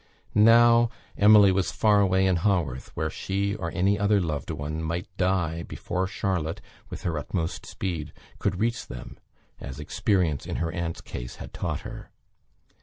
Now Emily was far away in Haworth where she or any other loved one, might die, before Charlotte, with her utmost speed, could reach them, as experience, in her aunt's case, had taught her.